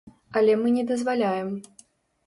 Але мы не дазваляем.